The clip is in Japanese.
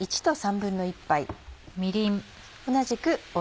みりん。